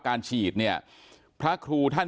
การฉีดเนี่ยพระครูท่าน